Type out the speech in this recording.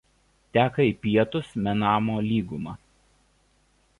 Teka į pietus Menamo lyguma.